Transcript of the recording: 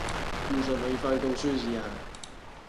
唔信可以番公司試下